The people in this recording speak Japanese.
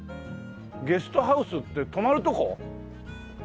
ゲストハウスって泊まるとこ？